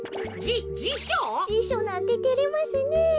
じしょなんててれますねえ。